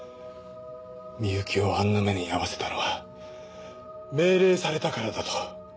深雪をあんな目に遭わせたのは命令されたからだと。